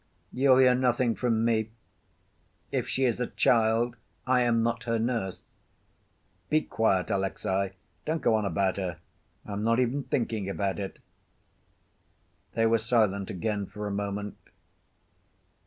"You'll hear nothing from me. If she is a child I am not her nurse. Be quiet, Alexey. Don't go on about her. I am not even thinking about it." They were silent again for a moment.